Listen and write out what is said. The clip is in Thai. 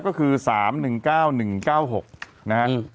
ก็คือ๓๑๙๑๙๖นะฮะ